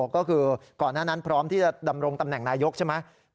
ก็คือก่อนหน้านั้นพร้อมที่จะดำรงตำแหน่งนายกใช่ไหม